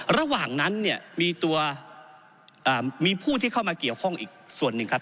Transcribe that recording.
ระหว่างนั้นเนี่ยมีตัวมีผู้ที่เข้ามาเกี่ยวข้องอีกส่วนหนึ่งครับ